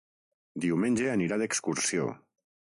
Diumenge anirà d'excursió.